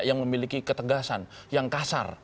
yang memiliki ketegasan yang kasar